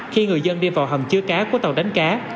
khi người dân đi vào hầm chứa cá của tàu đánh cá